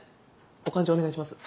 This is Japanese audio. お勘定お願いします。